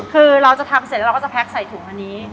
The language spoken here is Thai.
คือเราจะทำเสร็จแล้วเราก็จะแพ็กใส่ถุงอันนี้